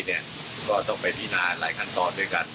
ก็ต้องไปพินาหลายขั้นตอนด้วยกัน